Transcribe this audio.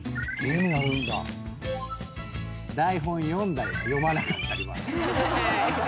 台本読んだり読まなかったりもある。